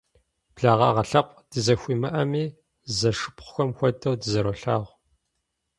Благъагъэ лъэпкъ дызэхуимыӏэми, зэшыпхъухэм хуэдэу дызэролъагъу.